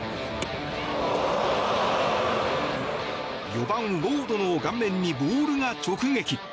４番、ウォードの顔面にボールが直撃。